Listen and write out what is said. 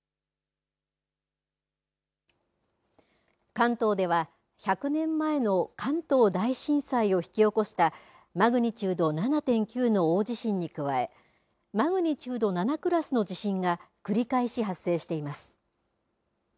関東では１００年前の関東大震災を引き起こしたマグニチュード７．９の大地震に加えマグニチュード７クラスの地震が繰り返し発生しています。